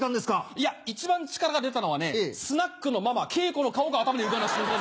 いや一番力が出たのはねスナックのママケイコの顔が頭に浮かんだ瞬間なの。